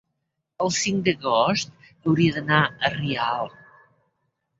el cinc d'agost hauria d'anar a Rialp.